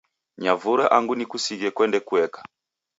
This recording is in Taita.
Nyavura angu nikusighe kuende kueka